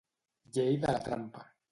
Llei de la trampa.